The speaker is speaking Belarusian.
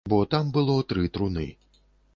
Бо там было тры труны.